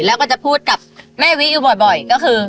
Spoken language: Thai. แล้วก็จะพูดกับแม่วิอยู่บ่อยก็คือ